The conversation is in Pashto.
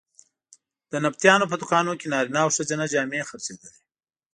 د نبطیانو په دوکانونو کې نارینه او ښځینه جامې خرڅېدلې.